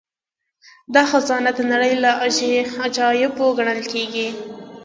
دا خزانه د نړۍ له عجايبو ګڼل کیږي